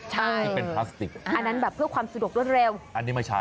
ใช่ที่เป็นพลาสติกอันนั้นแบบเพื่อความสะดวกรวดเร็วอันนี้ไม่ใช่